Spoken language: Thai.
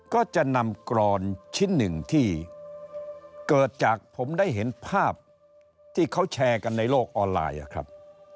ก็จะนำกรอนชิ้นหนึ่งที่เกิดจากผมได้เห็นภาพที่เขาแชร์กันในโลกออนไลน์ครับ